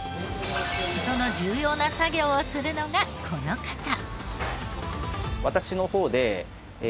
その重要な作業をするのがこの方。